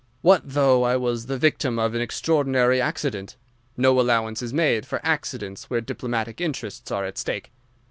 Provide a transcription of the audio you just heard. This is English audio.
What though I was the victim of an extraordinary accident? No allowance is made for accidents where diplomatic interests are at stake.